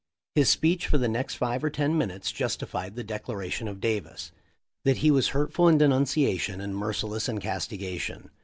His speech for the next five or ten minutes justified the declaration of Davis, that he was "hurtful in denunciation and merciless in castigation."